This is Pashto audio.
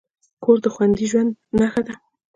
کور د خوندي ژوند نښه ده.